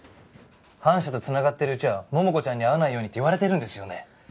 反社と繋がってるうちはももこちゃんに会わないようにって言われてるんですよね？